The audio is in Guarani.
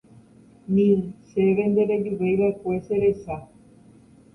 Ni chéve nderejuveiva'ekue cherecha.